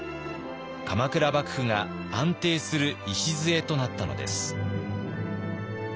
鎌倉幕府が安定する礎となったのです。